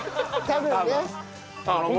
多分ね。